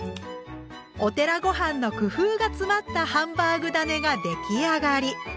お寺ごはんの工夫が詰まったハンバーグだねが出来上がり！